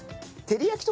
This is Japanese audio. てりやき